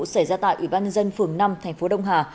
xảy ra tại ủy ban dân phường năm tp đông hà